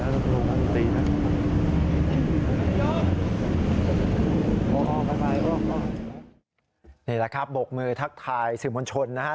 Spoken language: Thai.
นี่แหละครับบกมือทักทายสื่อมวลชนนะฮะ